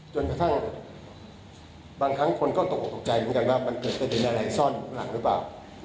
จนกระทั่งบางครั้งคนก็ตกออกตกใจเหมือนกันว่ามันเกิดประเด็นอะไรซ่อนอยู่ข้างหลังหรือเปล่า